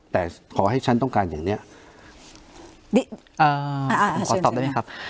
แต่ขอให้ฉันต้องการอย่างนี้ขอตอบได้ไหมครับ